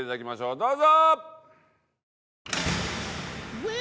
どうぞ！